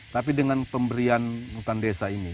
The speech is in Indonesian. tapi dengan pemberian hutan desa ini